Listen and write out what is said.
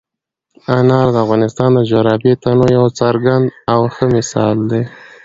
انار د افغانستان د جغرافیوي تنوع یو څرګند او ښه مثال دی.